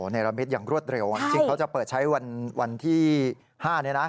เนรมิตอย่างรวดเร็วจริงเขาจะเปิดใช้วันที่๕นี้นะ